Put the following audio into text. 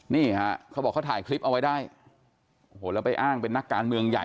นี่ฮะเขาบอกเขาถ่ายคลิปเอาไว้ได้โอ้โหแล้วไปอ้างเป็นนักการเมืองใหญ่